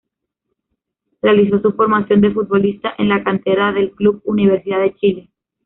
Realizó su formación de futbolista en la cantera del club Universidad de Chile.